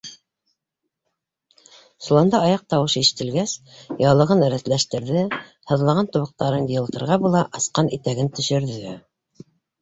Соланда аяҡ тауышы ишетелгәс, яулығын рәтләштерҙе, һыҙлаған тубыҡтарын йылытырға була асҡан итәген төшөрҙө.